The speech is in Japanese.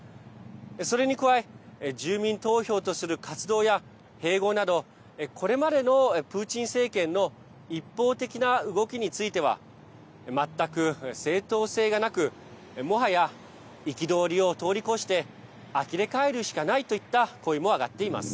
それに加え住民投票とする活動や併合などこれまでのプーチン政権の一方的な動きについては全く正当性がなくもはや、憤りを通り越してあきれ返るしかないといった声も上がっています。